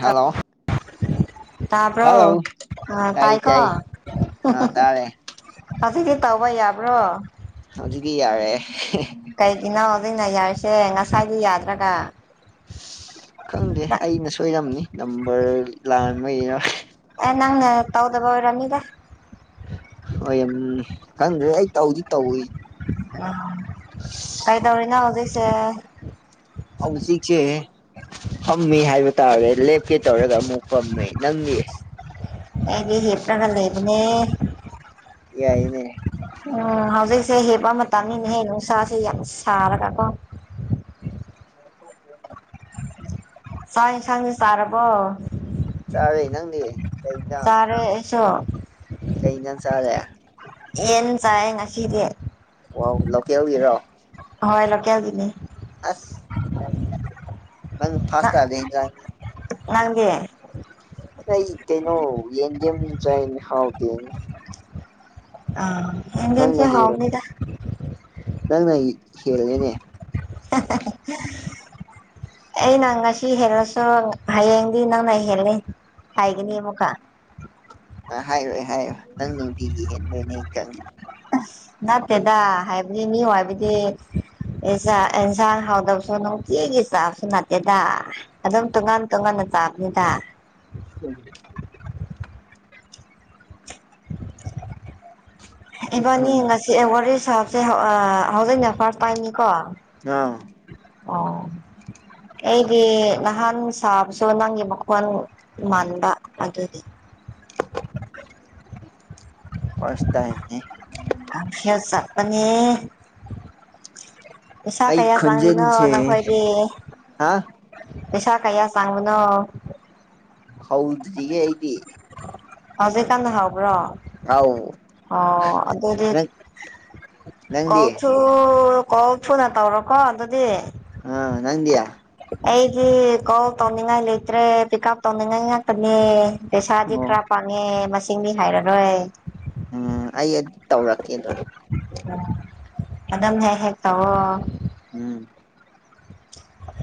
hello ꯇꯄ꯭ꯔ ꯇꯥꯏ ꯇꯥꯏꯀꯣ ꯇꯥꯏ ꯑꯥ ꯇꯥꯔꯦ ꯑꯁꯤꯖꯤꯗꯤ ꯇꯧꯕ ꯌꯥꯕ꯭ꯔꯣ [unintelligible] ꯍꯧꯖꯤꯛꯗꯤ ꯌꯥꯔꯦ ꯀꯩꯒꯤꯅꯣꯖꯤꯛꯅ ꯌꯥꯔꯤꯁꯦ ꯉꯁꯥꯏꯗꯤ ꯌꯥꯗ꯭ꯔꯒ ꯈꯪꯗꯦ ꯑꯩꯅ ꯁꯣꯏꯔꯝꯅꯤ ꯅꯝꯕꯔ ꯂꯥꯟ ꯃꯔ ꯑꯦ ꯅꯪꯅ ꯇꯧꯗꯕ ꯑꯣꯏꯔꯅꯤꯗ ꯍ ꯌꯥꯝ ꯈꯪꯗ꯭ꯔꯦ ꯑꯩ ꯇꯧꯗꯤ ꯇꯧꯋꯏ ꯑ ꯀꯩꯗꯧꯔꯤꯅꯣ ꯍꯧꯖꯤꯛꯁꯦ ꯍꯧꯖꯤꯁꯦ ꯐꯝꯃꯤ ꯍꯥꯏꯕ ꯇꯥꯔꯒꯗꯤ ꯂꯦꯞꯀꯦ ꯇꯧꯔꯒ ꯑꯃꯨꯛ ꯐꯝꯃꯦ ꯅꯪꯒꯤ ꯑꯩꯗꯤ ꯍꯤꯞꯄꯒ ꯂꯩ ꯏꯕꯅꯦ ꯌꯥꯏꯅꯦ ꯎꯝ ꯍꯧꯖꯤꯛꯁꯦ ꯍꯤꯞꯄ ꯃꯇꯝꯅꯤꯅꯦꯍꯦ ꯅꯨꯡꯁꯥꯁꯦ ꯌꯥꯝ ꯁꯥꯔꯒ ꯀꯣ ꯁ ꯊꯅꯤ [unintelligible] ꯆꯥꯛ ꯏꯟꯁꯥꯡ ꯗꯤ ꯆꯥꯔꯕꯣ ꯆꯥꯔꯦ ꯅꯪꯗꯤ ꯀꯩ ꯏꯟꯖꯥꯡ ꯆꯥꯔꯦ ꯑꯩꯁꯨ ꯀꯩ ꯏꯟꯁꯥꯡ ꯆꯥꯔꯦ ꯌꯦꯟ ꯆꯥꯏ ꯉꯁꯤꯗꯤ ꯑꯣ ꯂꯣꯀꯦꯜꯒꯤꯔꯣ ꯍꯣꯏ ꯂꯀꯦꯜ ꯒꯤꯅꯤ ꯑꯁ ꯃ ꯅꯪ ꯐꯥꯁꯇꯥꯗꯖ ꯅꯪꯗꯤ ꯑꯩ ꯀꯩꯅꯣ ꯌꯦꯟꯗꯦꯝ ꯆꯥꯌꯦ ꯍꯥꯥꯎ ꯑꯣ ꯌꯦꯟꯗꯦꯝ ꯁꯨ ꯅꯪꯅ ꯍꯦꯜꯂꯦ ꯍꯥꯎꯕꯅꯤꯗ ꯅꯪꯅ ꯍꯦꯜꯂꯅꯤꯅꯦ [inaudible] ꯑꯩꯅ ꯉꯁꯤ ꯍꯦꯜꯂꯁꯨ ꯍꯌꯦꯡꯗꯤ ꯅꯪꯅ ꯍꯦꯜꯂ ꯍꯥꯏꯒꯅꯤ ꯑꯃꯨꯛꯀ ꯑ ꯍꯥꯏꯌꯣꯏ ꯍꯥꯏꯌꯣꯏ ꯅꯪꯅꯗꯤꯒꯤꯍꯦꯟ ꯂꯣꯏꯅꯦ ꯑꯩ ꯆꯪꯉꯦ ꯅꯠꯇꯦꯗ ꯍꯥꯏꯕꯗꯤ ꯃꯤ ꯍꯥꯏꯕꯗꯤ ꯑꯦꯁꯥ ꯑꯦꯟꯁꯥꯡ ꯍꯥꯎꯗꯕꯁꯨꯣꯅ ꯀꯒꯤ ꯆꯁꯨ ꯅꯠꯇꯦꯗꯥ ꯑꯗꯨꯝ ꯇꯣꯉꯥꯟ ꯇꯣꯉꯥꯟꯅ ꯆꯥꯕꯅꯤꯗ ꯎꯝ ꯎꯝ ꯏꯕꯥꯅꯤꯒꯁꯤ ꯁꯤ ꯋꯥꯔꯤ ꯁꯥꯞꯁꯦ ꯍꯧꯖꯤꯛꯅ ꯐꯥꯔ ꯇꯥꯏꯅꯤꯀꯣ ꯑꯥ ꯑꯣ ꯑꯩꯗꯤ ꯅꯍꯥꯟ ꯁꯥꯕꯁꯨ ꯅꯪꯒꯤ ꯃꯈꯣꯟ ꯃꯟꯕ ꯑꯗꯨꯗꯤ ꯐꯥꯁ ꯇꯥꯏꯅꯤ ꯍꯦ ꯆꯠꯄ [unintelligible] ꯄꯩꯁꯥ ꯑꯩ ꯀꯌꯥ ꯆꯪꯂꯤꯅꯣ ꯈꯣꯟꯖꯦꯜꯁꯦ ꯅꯈꯣꯏꯗꯤ ꯍꯥ ꯄꯩꯁꯥ ꯀꯌꯥ ꯆꯪꯕꯅꯣ ꯍꯧꯗꯔꯤꯌꯦ ꯑꯩꯗꯤ ꯍꯧꯖꯤꯛꯀꯥꯟꯗ ꯍꯥꯎꯕ꯭ꯔꯣ ꯑꯥꯎ ꯍ ꯑꯗꯨꯗꯤ ꯅꯪ ꯅꯪꯗꯤ ꯀꯧ ꯆ ꯑꯣ ꯀꯣꯜ ꯊꯨꯅꯥ ꯇꯧꯔꯣꯀꯣ ꯑꯗꯨꯗꯤ ꯑ ꯅꯪꯗꯌꯥ ꯑꯩꯒꯤ ꯀꯣꯜ ꯇꯧꯅꯤꯡꯉꯥꯏ ꯂꯩꯇ꯭ꯔꯦ ꯄꯤꯛ ꯎꯞ ꯇꯧꯅꯤꯡꯉꯥꯏ ꯉꯥꯛꯇꯅꯦ ꯄꯩꯁꯥꯗꯤ ꯑꯣ ꯈꯔ ꯄꯪꯉꯦ ꯃꯁꯤꯡꯗꯤ ꯍꯥꯏꯔꯔꯣꯏ ꯎꯝ ꯑꯩ ꯇꯧꯔꯛꯀꯦ ꯑꯗꯨ ꯑꯗꯝ ꯍꯦꯛ ꯍꯦ ꯇꯕꯣ ꯎꯝ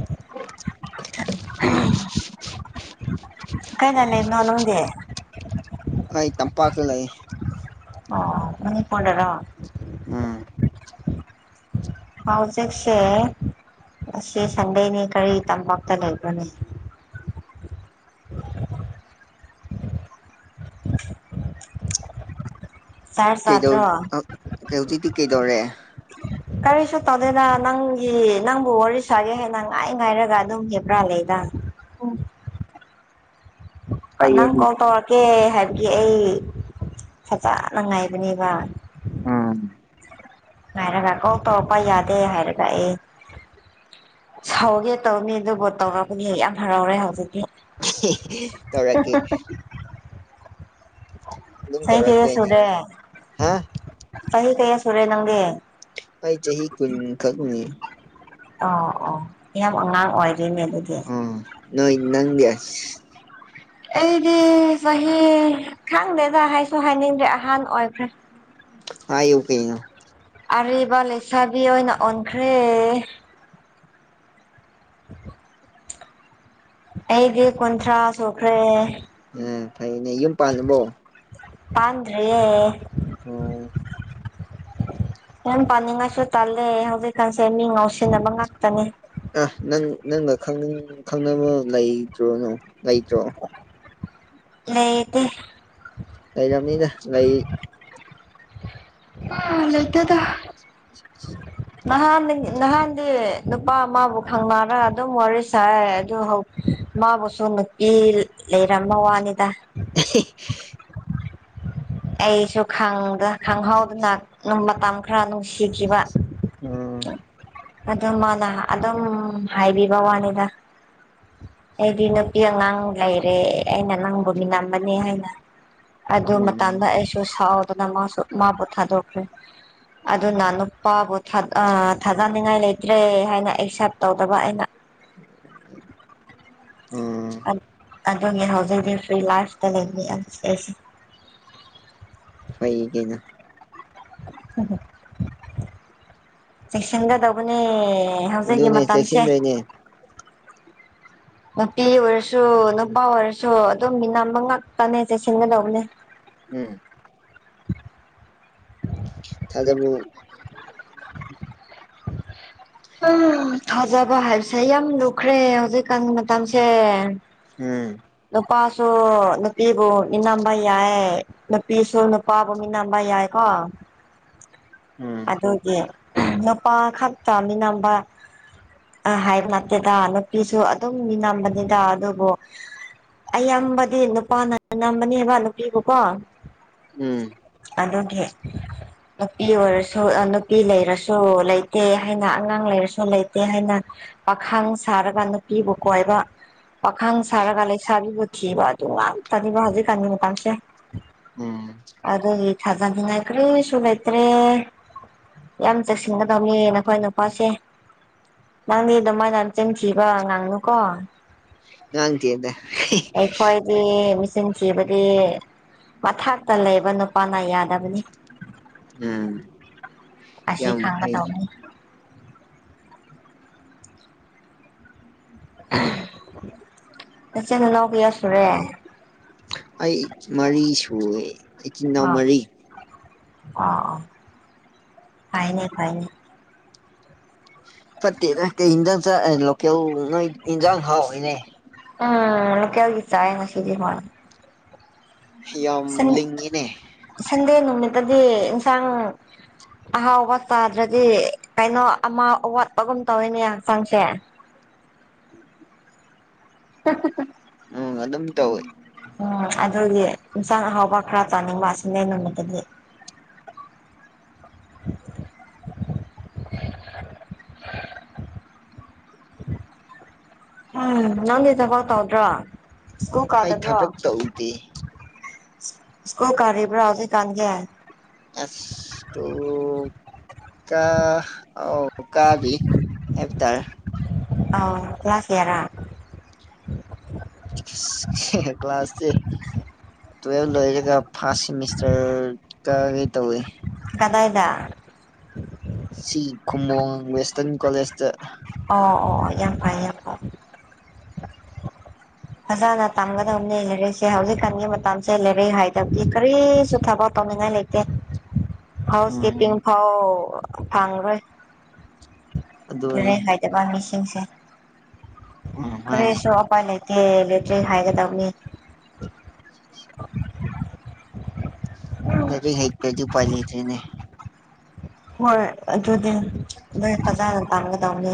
[inaudible] ꯎꯝ ꯀꯩꯗꯅꯦꯦ ꯅꯣꯅꯗꯦ ꯑꯩ ꯇꯝꯄꯥꯛꯀꯤ ꯂꯩ ꯑꯣ ꯃꯅꯤ ꯄꯥꯎꯅꯔꯣ ꯎꯝ ꯍꯧ ꯍꯧꯖꯤꯛꯁꯦ ꯑꯁꯤ ꯁꯟꯗꯦꯅꯤ ꯀꯔꯤ ꯇꯄꯥꯛꯇ ꯂꯩꯕꯅꯦ [inaudible] ꯆꯥꯔꯖ ꯆꯥꯗ꯭ꯔꯣ ꯍꯧꯖꯤꯛꯇꯤ ꯀꯩꯗꯧꯔꯦ ꯀꯔꯤꯁꯨ ꯇꯧꯗꯦꯗ ꯅꯪꯒꯤ ꯅꯪꯕꯨ ꯋꯥꯔꯤ ꯁꯥꯒꯦ ꯍꯥꯏꯅ ꯉꯥꯏ ꯉꯥꯏꯔꯒ ꯑꯗꯨꯝ ꯍꯦꯞꯄ꯭ꯔꯥ ꯂꯩꯗ ꯅꯪ ꯀꯣꯜ ꯇꯧꯔꯛꯀꯦ ꯍꯥꯏꯕꯒꯤ ꯑꯩ ꯐꯖꯅ ꯉꯥꯏꯕꯅꯦꯕ ꯎꯝ ꯍꯥꯏꯔꯒ ꯀꯧ ꯇꯧꯔꯛꯄ ꯌꯥꯗꯦ ꯍꯥꯏꯔꯒ ꯑꯦ ꯁꯧꯒꯦ ꯇꯧꯅꯤ ꯑꯗꯨꯕꯨ ꯇꯧꯔꯛꯄꯗꯤ ꯍꯦꯛ ꯌꯥꯝ ꯍꯔꯥꯎꯔꯦ ꯍꯧꯖꯤꯛꯇꯤ ꯇꯧꯔꯛꯀꯦ ꯑꯗꯨꯝ ꯆꯍꯤꯩ ꯀꯩꯌꯥ ꯇꯧꯔꯛꯇꯣꯏꯅꯦ ꯁꯨꯔꯦ ꯍꯥ ꯆꯍꯤꯍꯤ ꯀꯩꯌꯥ ꯁꯨꯔꯦ ꯅꯪꯒꯤ ꯑꯩꯥꯏ ꯆꯍꯤ ꯆꯍꯤ ꯈꯨ ꯈꯛꯅꯤ ꯑꯣ ꯑꯣ ꯌꯥꯝ ꯑꯉꯥꯡ ꯑꯣꯏꯔꯤꯔꯤꯅꯦ ꯑꯗꯨꯗꯤ ꯑ ꯅꯣꯏ ꯅꯪ ꯑꯩꯗꯤ ꯆꯍꯤ ꯈꯪꯗꯦꯗ ꯍꯥꯏꯁꯨ ꯍꯥꯏꯅꯤꯡꯗ꯭ꯔꯦ ꯑꯍꯥꯟ ꯑꯣꯏꯈ꯭ꯔꯦ ꯍꯥꯥ ꯏ ꯀꯩꯅ ꯑꯔꯤꯕ ꯂꯩꯁꯥꯕꯤ ꯑꯣꯏꯅ ꯑꯣꯟꯈ꯭ꯔꯦ ꯑꯩꯒꯤ ꯀꯟꯊ꯭ꯔꯥꯁꯨꯣꯈ꯭ꯔꯦ ꯎ ꯐꯩꯅꯦ ꯌꯨꯝ ꯄꯥꯜꯂꯕꯣ ꯄꯗ꯭ꯔꯦ ꯑꯣ ꯌꯥꯝ ꯄꯥꯅꯤꯡꯉꯥꯏꯁꯨ ꯇꯜꯂꯦ ꯍꯧꯖꯤꯛꯀꯥꯟꯁꯦ ꯃꯤ ꯉꯥꯎꯁꯤꯟꯅꯕ ꯉꯥꯛꯇꯅꯦ ꯑ ꯅꯪ ꯅꯪꯒ ꯈꯪꯅꯕ ꯂꯩꯇ꯭ꯔꯣꯅꯣ ꯂꯩꯇ꯭ꯔꯣ ꯂꯩꯗꯤ ꯂꯩꯩꯖꯝꯅꯤꯗ ꯂꯩ ꯑ ꯂꯩꯗꯗ [unintelligible] ꯅꯍꯥꯟ ꯅꯍꯥꯟꯗꯤ ꯅꯨꯄꯥ ꯑꯃꯕꯨ ꯈꯪꯅꯔ ꯑꯗꯨꯝ ꯋꯥꯔꯤ ꯁꯥꯏ ꯑꯗꯨ ꯍꯧ ꯃꯥꯕꯨꯁꯨ ꯅꯨꯄꯤ ꯂꯩꯔꯝꯕꯩ ꯋꯥꯅꯤꯗ ꯑ ꯑꯩꯁꯨ ꯈꯪꯗ ꯈꯪꯍꯥꯎꯗꯅ ꯃꯇꯝ ꯈꯔ ꯅꯨꯡꯁꯤꯈꯤꯕ ꯎꯝ ꯑꯗꯨ ꯃꯥꯅ ꯑꯗꯨꯝ ꯍꯥꯏꯕꯤꯕꯩ ꯋꯥꯅꯤꯗ ꯑꯩꯗꯤ ꯅꯨꯄꯤ ꯑꯉꯥꯡ ꯂꯩꯔꯦ ꯑꯩꯅ ꯅꯪꯕꯨ ꯅꯤꯡꯂꯝꯕꯅꯤ ꯍꯥꯏꯅ ꯑꯗꯨ ꯎꯝ ꯃꯇꯗ ꯑꯩꯁꯨ ꯁꯥꯎꯗꯗꯅ ꯃꯥꯁꯨ ꯃꯥꯕꯨ ꯊꯥꯗꯣꯛꯈ꯭ꯔꯦ ꯑꯗꯨꯅ ꯅꯨꯄꯥꯕꯨ ꯊꯥꯒꯩꯅꯤꯡꯉꯥꯏ ꯂꯩꯇ꯭ꯔꯦ ꯍꯥꯏꯅ ꯑꯦꯛꯁꯦꯞ ꯇꯧꯗꯕ ꯑꯩꯅ ꯎꯝ ꯑꯗꯨꯒꯤ ꯍꯧꯖꯤꯛꯇꯤ ꯐ꯭ꯔꯤ ꯂꯥꯏꯐꯇ ꯂꯩꯕꯅꯤ ꯑꯩꯁꯦ ꯀꯤꯒꯤꯅꯣ ꯎ ꯆꯦꯛꯁꯟꯒꯗꯧꯕꯅꯦ ꯍꯧꯖꯤꯛꯒꯤ ꯑꯗꯨꯅꯦ ꯃꯇꯝꯁꯦ ꯆꯦꯛꯁꯤꯟꯗꯣꯏꯅꯦ ꯅꯨꯄꯤ ꯑꯣꯏꯔꯁꯨ ꯅꯨꯄꯥ ꯑꯣꯏꯔꯁꯨ ꯑꯗꯨꯝ ꯃꯤ ꯅꯝꯕ ꯉꯥꯛꯛꯇꯅꯦ ꯆꯦꯁꯤꯟꯒꯗꯧꯕꯅꯦ ꯎꯝ ꯑꯗꯨꯕꯨ ꯎꯝ ꯐꯖꯕ ꯍꯥꯏꯕꯁꯦ ꯌꯥꯝ ꯂꯨꯈ꯭ꯔꯦ ꯍꯧꯖꯤꯛꯀꯥꯟ ꯃꯇꯝꯁꯦ ꯎꯝ ꯅꯨꯄꯥꯁꯨ ꯅꯨꯄꯤꯕꯨ ꯅꯤꯅꯝꯕ ꯌꯥꯏ ꯅꯨꯄꯤꯁꯨ ꯅꯨꯄꯥꯕꯨ ꯃꯤꯅꯝꯕ ꯌꯥꯏꯀꯣ [unintelligible] ꯑꯗꯨꯒꯤ ꯅꯨꯄꯥ ꯈꯛꯇ ꯃꯤꯅꯝꯕ ꯑ ꯍꯥꯏꯕ ꯅꯠꯇꯦꯗ ꯅꯨꯄꯤꯁꯨ ꯑꯗꯨꯝ ꯃꯤ ꯅꯝꯕꯅꯤꯗ ꯑꯗꯨꯕꯨ ꯑꯌꯥꯝꯕꯗꯤ ꯅꯨꯄꯥꯅ ꯃꯤꯅꯝꯕꯅꯦꯕ ꯅꯨꯄꯤꯕꯨꯀꯣ ꯎꯝ ꯑꯗꯨꯒꯤ ꯅꯨꯄꯤ ꯑꯣꯏꯔꯁꯨ ꯅꯨꯄꯤ ꯂꯩꯔꯁꯨ ꯂꯩꯇꯦ ꯍꯥꯏꯅ ꯑꯉꯥꯡ ꯂꯩꯔꯁꯨ ꯂꯩꯇꯦ ꯍꯥꯏꯅ ꯄꯥꯈꯥꯡ ꯁꯥꯔꯒ ꯅꯨꯄꯤꯕꯨ ꯀꯣꯏꯕ ꯄꯥꯈꯥꯡ ꯁꯥꯔꯒ ꯁꯥꯥꯕꯤꯕꯨ ꯊꯤꯕ ꯑꯗꯨ ꯉꯥꯛꯇꯅꯤꯅ ꯍꯧꯖꯤꯛꯀꯥꯟꯒꯤ ꯃꯇꯥꯡꯁꯦ ꯎꯝ ꯑꯗꯨꯅꯤ ꯊꯖꯥꯟ ꯅꯤꯡꯉꯥꯏ ꯀꯔꯤꯁꯨ ꯂꯩꯇ꯭ꯔꯦ ꯌꯥꯝ ꯆꯦꯛꯁꯤꯟꯒꯗꯕꯅꯦ ꯅꯨꯄꯥ ꯅꯈꯣꯏꯁꯦ ꯅꯪꯗꯤ ꯑꯗꯨꯃꯥꯏꯅ ꯅꯆꯤꯟ ꯊꯤꯕꯕ ꯉꯥꯡꯅꯨꯀꯣ ꯉꯥꯡꯂꯤꯗꯗꯦ ꯑꯩꯈꯣꯏ ꯃꯤꯆꯤꯟ ꯊꯤꯕꯗꯤ ꯃꯊꯛꯇ ꯂꯩꯕ ꯅꯨꯄꯥꯅ ꯌꯥꯗꯕꯅꯤ ꯎꯝ ꯑꯁꯤ ꯌꯥꯝ ꯈꯪꯒ ꯍꯩ ꯗꯧꯅꯤ ꯅꯆꯤꯅ ꯅꯥꯎ ꯀꯌꯥ ꯁꯨꯔꯦ ꯑꯩ ꯃꯔꯤ ꯁꯨꯔꯦ ꯏꯆꯤꯟ ꯏꯅꯥꯎ ꯃꯔꯤ ꯑ ꯐꯥꯏꯅꯦ ꯐꯥꯏꯅꯦ ꯐꯠꯇꯦꯅ ꯀꯩ ꯌꯦꯟꯖꯥꯡ ꯆꯥꯂ ꯂꯣꯀꯦꯜ ꯅꯣꯏ ꯌꯦꯟꯖꯥꯡ ꯍꯥꯎꯋꯤꯅꯦ ꯎꯝ ꯀꯦꯜꯒꯤ ꯆꯥꯏ ꯃꯁꯤꯗꯤ ꯃꯥ ꯌꯥꯝ ꯂꯤꯡꯉꯤꯅꯦ ꯁꯟꯗꯦ ꯅꯨꯃꯤꯠꯇꯗꯤ ꯏꯟꯁꯥꯡ ꯑꯍꯥꯎꯕ ꯆꯥꯗ꯭ꯔꯗꯤ ꯀꯩꯅꯣ ꯑꯃ ꯑꯋꯥꯠꯄꯒꯨꯝ ꯇꯧꯋꯤꯅꯦ ꯍꯛꯆꯥꯡꯁꯦ [unintelligible] ꯀ ꯎꯝ ꯑꯗꯨꯝ ꯇꯧꯋꯤ ꯎꯝ ꯑꯗꯨꯗꯤ ꯏꯟꯁꯥꯡ ꯑꯍꯥꯎꯕ ꯈꯔ ꯆꯥꯅꯤꯡꯕ ꯁꯟꯗꯦ ꯅꯨꯃꯤꯠꯇꯗꯤ [inaudible] ꯎ ꯅꯪꯗꯤ ꯊꯕꯛ ꯇꯧꯗ꯭ꯔꯥ ꯁꯀꯨꯜ ꯑꯩ ꯀꯗꯕ꯭ꯔꯣ ꯊꯕꯛ ꯇꯧꯗꯦ ꯏꯁꯀꯜ ꯀꯔꯤꯕ꯭ꯔ ꯍꯧꯒꯤꯛ ꯀꯥꯟꯗꯤ ꯑꯦꯁꯀꯨ ꯀꯥ ꯑꯣ ꯀꯥꯕꯤ ꯍꯥꯏꯕ ꯇꯔ ꯑ ꯀ꯭ꯂꯥꯁ ꯏꯌꯥꯔꯥ ꯀ꯭ꯂꯥꯁꯁꯦ ꯇꯨꯋ ꯂꯣꯏꯒꯦ ꯆ ꯐꯥꯔꯁ ꯁꯦꯃꯤꯁꯇꯔ ꯀꯒ ꯇꯧꯋꯦ ꯀꯗꯥꯏꯗ ꯁꯤ ꯈꯨꯝꯃꯣꯡ ꯋꯦꯁꯇꯔꯟ ꯀꯣꯂꯦꯖꯇ ꯑꯣ ꯑꯣ ꯑꯣ ꯌꯥꯝ ꯐꯥꯏꯌꯦꯦ ꯌꯥꯝ ꯐꯖꯅ ꯇꯝꯒꯗꯕꯅꯤ ꯂꯩꯥꯏꯔꯛꯁꯦ ꯍꯧꯖꯤꯛꯀꯥꯟꯒꯤ ꯃꯇꯝꯁꯦ ꯂꯩꯔꯛ ꯍꯥꯏꯗꯕꯗꯤ ꯀꯔꯤꯁꯨ ꯊꯕꯛ ꯇꯧꯅꯤꯡꯉꯥꯏ ꯂꯩꯇꯦ ꯍꯥꯎꯁ ꯀꯤꯞꯄꯤꯡ ꯎꯝ ꯐꯥꯎ ꯐꯪꯈꯔꯣꯏ ꯑꯗꯨꯅꯦ ꯂꯨꯔꯦꯟ ꯍꯥꯏꯥꯏꯗꯕ ꯃꯤꯁꯤꯡꯁꯦ ꯎꯝ ꯃꯥꯅꯦ ꯈꯔꯦꯁꯨ ꯑꯄꯥꯏ ꯂꯩꯇꯦ ꯂꯩꯇ꯭ꯔꯦ ꯍꯥꯏꯒꯗꯕꯅꯤ ꯑꯗꯨ ꯍꯗꯤ ꯄꯥꯏꯂꯤꯇꯅꯦ ꯍꯣꯏ ꯑꯗꯨꯗꯤ ꯎ ꯑꯗꯨ ꯀꯗ ꯇꯥꯡꯒ ꯇꯧꯅꯤ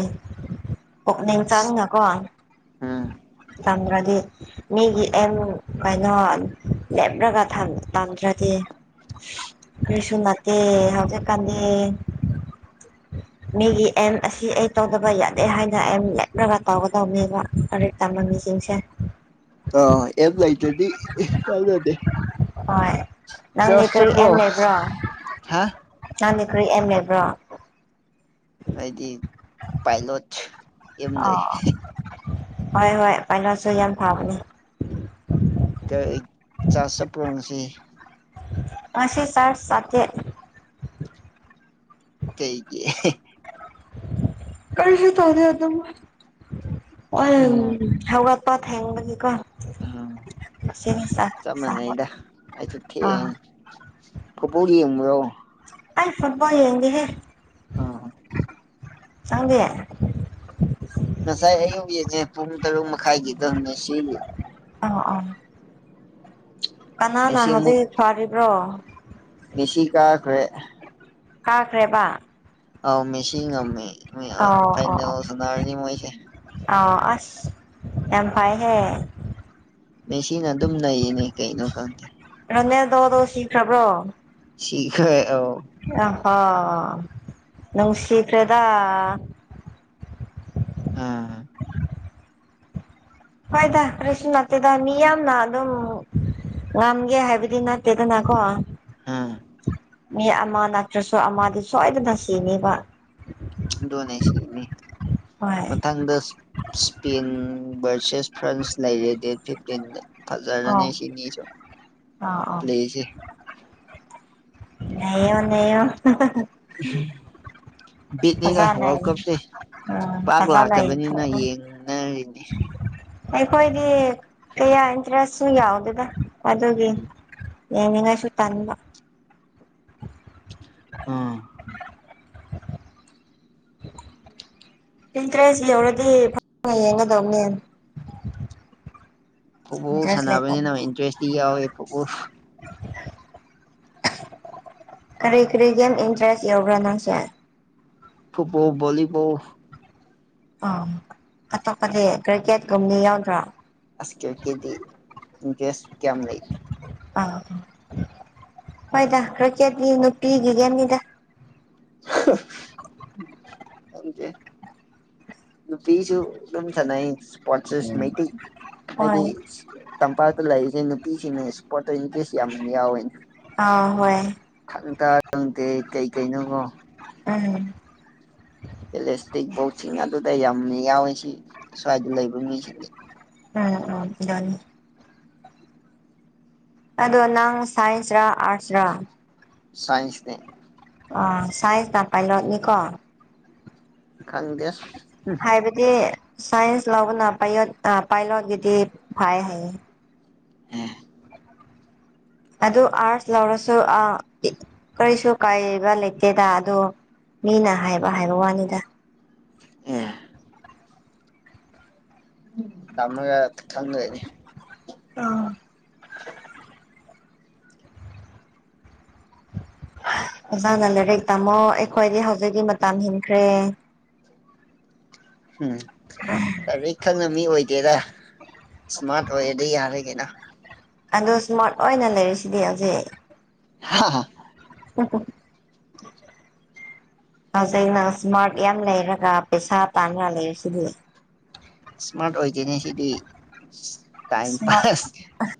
ꯄꯨꯛꯅꯤꯡ ꯆꯪꯉꯀꯣ ꯎꯝ ꯆꯪꯗ꯭ꯔꯗꯤ ꯃꯤꯒꯤ ꯑꯦꯝ ꯀꯩꯅꯣ ꯂꯦꯞꯂꯒ ꯇꯝꯗ꯭ꯔꯗꯤ ꯔꯤꯁꯅꯥꯇ ꯍꯧꯥꯎꯖꯤ ꯀꯥꯟꯗ [inaudible] ꯃꯤꯒꯤ ꯑꯦꯝ ꯑꯁꯤ ꯑꯩ ꯇꯧꯗꯕ ꯌꯥꯗꯦ ꯍꯥꯏꯅ ꯑꯦꯝ ꯂꯦꯞꯂꯒ ꯇꯧꯒꯗꯕꯅꯦꯕ ꯂꯥꯏꯔꯤꯛ ꯇꯝꯕ ꯃꯤꯁꯤꯡꯁꯦ ꯑ ꯑꯦ ꯂꯥꯏꯇꯗꯤ ꯀꯗꯦ ꯍꯣꯏ ꯅꯪꯗꯤ ꯆꯁ ꯆ ꯀꯔꯤ ꯄꯔꯣ ꯍꯥꯦ ꯆꯥꯗꯄꯩ ꯑ ꯂꯩꯕ꯭ꯔꯣ ꯍꯥꯏꯗꯤ ꯄꯥꯏꯂꯣꯠ ꯑꯦꯝ ꯑ ꯂꯩ ꯑ ꯍꯣꯏ ꯍꯣꯏ ꯄꯥꯏꯂꯣꯁꯨ ꯌꯥꯝ ꯐꯕꯅꯦ ꯆꯥꯛ ꯆꯄꯣꯡꯁꯤ ꯄꯁꯤ ꯁꯥꯠ ꯁꯥꯇꯠ ꯀꯩꯒꯤ ꯀꯁꯤ ꯇ ꯍꯧꯗ ꯑꯗꯨ ꯑꯣ ꯎꯝ ꯍꯒ ꯄ ꯍꯦꯡꯗꯤꯀ ꯎꯝ ꯆꯞ ꯃꯥꯟꯅꯩꯗ ꯑꯩꯁꯨ ꯊ ꯏ ꯄꯨꯔꯤꯣ ꯑꯜ ꯐꯨꯠꯕꯣꯜ ꯌꯦꯡꯦ ꯍꯦ ꯑꯥ ꯆꯪꯒꯦ ꯉꯁꯥꯏ ꯑꯌꯨꯛ ꯌꯦꯡꯉꯦ ꯄꯨꯡ ꯇꯔꯨꯛ ꯃꯈꯥꯏꯒꯤꯗꯅꯦ ꯁꯤꯒꯤ ꯑ ꯑ ꯀꯅꯥꯅ ꯃꯦꯁꯤ ꯍꯧꯖꯤꯛ ꯐꯔꯤꯕ꯭ꯔꯣ ꯅꯤꯁꯤ ꯀꯥꯈꯦ ꯀꯥꯈ꯭ꯔꯦꯕ ꯑꯥꯎ ꯃꯤꯁꯤ ꯉꯝꯃꯦ ꯐꯗꯜ ꯁꯅꯔꯅꯤ ꯃꯣꯏꯁꯦ ꯑ ꯑꯁ ꯌꯥꯝꯝꯐꯥꯏꯍꯦ ꯃ ꯁꯤꯅ ꯑꯗꯨꯝ ꯅꯩꯌꯦꯅꯦ ꯀꯩꯅꯣ ꯀꯥꯟꯗꯦ ꯔꯅꯦ ꯗꯣꯗꯣ ꯁꯤꯈ꯭ꯔꯕ꯭ꯔꯣ ꯁꯤꯤꯈꯦ ꯑ ꯑ ꯍꯣ ꯅꯪꯁꯤꯤꯈ꯭ꯔꯦꯗ ꯑꯝ ꯍꯣꯏꯗ ꯀ꯭ꯔꯔꯤꯁ ꯅꯠꯇꯦꯗ ꯃꯤ ꯌꯥꯝꯅ ꯑꯗꯨꯝ ꯉꯝꯒꯦ ꯍꯥꯏꯕꯗꯤ ꯅꯠꯇꯦꯗꯅꯀꯣ ꯑꯥ ꯃꯤ ꯑꯃ ꯅꯠꯇ꯭ꯔꯁꯨ ꯑꯃꯗꯤ ꯁꯣꯏꯗꯅ ꯁꯤꯅꯤꯕ ꯗꯣꯅꯦꯁꯤꯅꯤ ꯍꯣꯏ ꯃꯊꯪꯗꯁ ꯏꯁꯄꯦꯟ ꯚꯔꯁꯦꯁ ꯐ꯭ꯔꯥꯟꯁ ꯂꯩꯔꯦ ꯗꯦꯠ ꯐꯤꯞꯇꯤꯟꯗ ꯐꯖꯔꯗꯅꯤ ꯑꯣ ꯆꯅꯤ ꯆ ꯑꯥ ꯂꯩ꯭ꯂꯁꯦ ꯅꯣ ꯅꯩꯣ ꯕꯤꯠꯅꯤꯅꯦ ꯐꯖꯅ ꯋꯥꯔꯜ ꯀꯞꯅꯤ ꯎꯝ ꯄꯥꯛ ꯐꯖꯅ ꯂꯥꯛꯇꯕꯅꯤꯅ ꯌꯦꯡꯊꯣꯛꯑꯣ ꯌꯦꯡꯅꯔꯤꯅꯤ ꯑꯩꯈꯣꯏꯗꯤ ꯀꯌꯥ ꯏꯟꯇꯔꯦꯁꯁꯨ ꯌꯥꯎꯗꯦꯅ ꯑꯗꯨꯒꯤ ꯎꯝ ꯌꯦꯉ ꯉꯁꯨ ꯇꯅꯤꯡ ꯑꯥ ꯏꯟꯇꯔꯦꯁ ꯌꯧꯔꯗꯤ ꯐ ꯌꯦꯡꯒꯗꯕꯅꯦ ꯐꯨꯠꯕꯣꯜ ꯏꯟꯇꯔꯦꯁ ꯂꯩꯇꯕꯒꯤ ꯁꯥꯟꯅꯕꯅꯤꯅ ꯏꯟꯇꯔꯦꯁꯇꯤ ꯌꯥꯎꯋꯤ ꯐꯨꯠꯕꯣꯜ ꯀꯔꯤ ꯀꯔꯤ ꯒꯦꯝ ꯏꯟꯇꯔꯦꯁ ꯌꯎꯕ꯭ꯔꯥ ꯅꯪꯁꯦ ꯐꯨꯠꯕꯣꯜ ꯚꯣꯂꯤꯕꯣꯜ ꯑꯥ ꯑꯇꯣꯞꯄꯗꯤ ꯀ꯭ꯔꯤꯛꯀꯦꯠꯀꯨꯝꯅꯤ ꯌꯥꯎꯗ꯭ꯔꯣ ꯑꯁ ꯀꯦꯀꯤꯦꯗꯤ ꯏ ꯦꯁ ꯀ ꯂꯩ ꯑ ꯍꯣꯏꯗ ꯀꯀꯦꯠꯗꯤ ꯅꯨꯄꯤꯤꯒꯒꯦꯟꯗ ꯍꯦ ꯅꯨꯄꯤꯁꯨ ꯑꯗꯨꯝ ꯁꯥꯟꯅꯩ ꯏꯁꯄꯣꯔꯠꯁꯦꯁ ꯎꯝ ꯃꯩꯇꯩ ꯍꯥꯏꯗꯤ ꯍꯣꯏ ꯇꯝꯄꯥꯛꯇ ꯂꯩꯔꯤꯁꯦ ꯅꯨꯄꯤꯁꯤꯡꯅ ꯏꯁꯄꯣꯔꯠꯇ ꯏꯇꯦꯁ ꯌꯥꯝ ꯌꯥꯎꯋꯦꯅꯦ ꯑꯥ ꯍꯣꯏ ꯈꯪ ꯇ ꯈꯪꯗꯦ ꯀꯩ ꯀꯩꯅꯣꯉꯣ ꯎꯝ ꯏꯂꯁꯇꯤꯛ ꯕꯣꯛꯁꯤꯡ ꯑꯗꯨꯗ ꯌꯥꯝꯅ ꯌꯥꯎꯋꯤ ꯁꯤ ꯁ꯭ꯋꯥꯏꯗ ꯂꯩꯕ ꯃꯤꯁꯤꯡꯅꯤ ꯎꯝ ꯎꯝ ꯑꯗꯨꯅꯤ ꯑꯗꯣ ꯅꯪ ꯁꯥꯏꯟꯁꯔꯥ ꯑꯥꯔꯠꯁꯔ ꯁꯥꯏꯟꯁꯅꯦ ꯑ ꯆꯥꯏꯖ ꯅꯄꯥꯏ ꯂꯅꯤꯀꯣ ꯈꯪꯗꯦ ꯕ ꯁꯥꯏꯟꯁ ꯂꯕ ꯅꯄꯥꯏ ꯑ ꯄꯥꯏꯂꯗꯤ ꯐꯥꯏ ꯍꯥꯏ [unintelligible] ꯑꯗꯨ ꯑꯥꯔꯁ ꯂꯧꯔꯁꯨ ꯑ ꯀꯔꯤꯁꯨ ꯀꯥꯏꯕ ꯂꯩꯇꯦꯗ ꯑ ꯃꯤꯅ ꯍꯥꯏꯕ ꯍꯥꯏꯕ ꯋꯥꯅꯤꯗ ꯑꯦ ꯊꯃꯒ ꯊꯪꯅꯤ ꯑ ꯑꯣꯖꯥꯅ ꯂꯥꯏꯔꯤꯛ ꯇꯥꯃꯣ ꯑꯩꯈꯣꯏꯗꯤ ꯍꯧꯖꯤꯛꯇꯤ ꯃꯇꯝ ꯍꯦꯟꯈ꯭ꯔꯦ ꯎꯝ ꯂꯥꯏꯔꯤꯛ ꯈꯪꯅ ꯃꯤ ꯑꯣꯏꯗꯦꯔ ꯏꯁꯃꯥꯔꯠ ꯑꯣꯏꯔꯗꯤ ꯌꯥꯔꯒꯦꯅ ꯑꯗꯣ ꯁ꯭ꯃꯥꯠ ꯑꯣꯏꯅ ꯂꯩꯔꯤꯁꯤꯗꯤ ꯍꯧꯖꯤꯛ ꯍꯥ ꯍꯥ [unintelligible] ꯑꯖꯩꯅ ꯏꯁꯃꯥꯔꯠ ꯌꯥꯝ ꯂꯩꯔꯒ ꯄꯩꯁꯥ ꯇꯥꯟꯅꯉꯥꯏ ꯂꯩꯔꯁꯤꯗꯤ ꯏꯁꯃꯥꯔꯠ ꯑꯣꯏꯗꯦꯅꯦ ꯁꯤꯗꯤ ꯇꯥꯏꯝ ꯏꯁꯃꯥꯔꯠ ꯄꯥꯁ